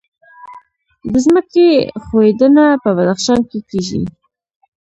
د ځمکې ښویدنه په بدخشان کې کیږي